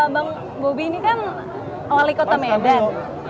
bang bu bini kan wali kota medan